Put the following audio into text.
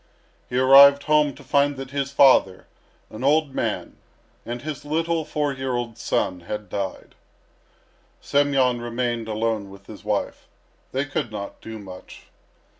He arrived home to find that his father, an old man, and his little four year old son had died. Semyon remained alone with his wife. They could not do much.